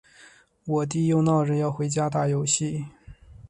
我弟又闹着要回家打游戏。